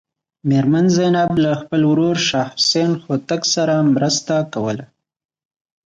میرمن زینب له خپل ورور شاه حسین هوتک سره مرسته کوله.